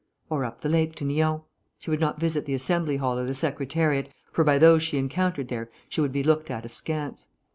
Or up the lake to Nyons. She would not visit the Assembly Hall or the Secretariat, for by those she encountered there she would be looked at askance.